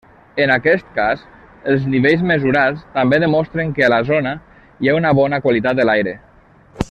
En aquest cas, els nivells mesurats també demostren que a la zona hi ha una bona qualitat de l'aire.